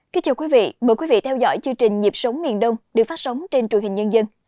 kính chào quý vị mời quý vị theo dõi chương trình nhịp sống miền đông được phát sóng trên truyền hình nhân dân